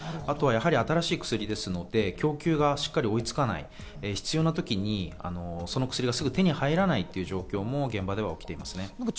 新しい薬ですので供給がしっかり追いつかない、必要な時にその薬がすぐ手に入らないという状況も現場では起きています。